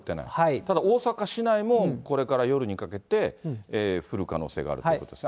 ただ大阪市内もこれから夜にかけて降る可能性があるということですね。